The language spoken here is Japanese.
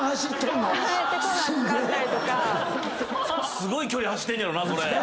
すごい距離走ってんのやろな。